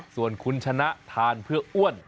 ส่วนคุณชนะทานเพื่ออ้วน